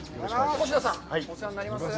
越田さん、お世話になります。